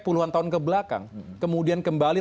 puluhan tahun kebelakang kemudian kembali